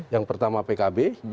yang pertama pkb